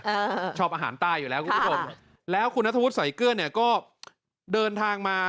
เออชอบอาหารใต้อยู่แล้วคุณผู้ชมแล้วคุณนัทวุฒิใส่เกลือเนี่ยก็เดินทางมา